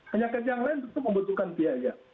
penyakit yang lain tentu membutuhkan biaya